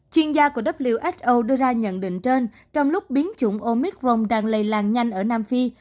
chuyên gia của wso đưa ra nhận định trên trong lúc biến chủng omicron đang lây làng nhanh ở nam phi